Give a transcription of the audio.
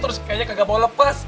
terus kayaknya gak bawa lepas